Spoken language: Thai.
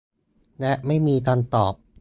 และไม่มีคำตอบ